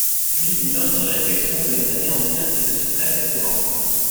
Puis une autre réflexion venait anéantir cette suprême espérance.